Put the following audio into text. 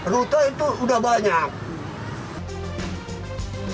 rute itu udah banyak